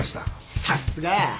さっすが。